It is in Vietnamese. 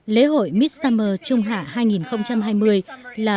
lễ hội mid summer trung hạ hai nghìn hai mươi